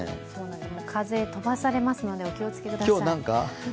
風、飛ばされますのでお気をつけください。